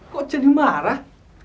kok jadi marah